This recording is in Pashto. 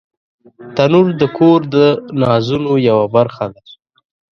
تنور د کور د نازونو یوه برخه ده